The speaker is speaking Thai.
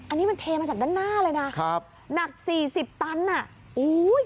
อันนี้มันเทมาจากด้านหน้าเลยนะครับหนักสี่สิบตันอ่ะอุ้ย